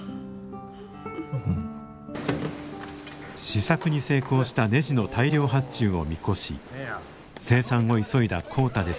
試作に成功したねじの大量発注を見越し生産を急いだ浩太ですが。